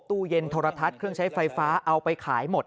ตู้เย็นโทรทัศน์เครื่องใช้ไฟฟ้าเอาไปขายหมด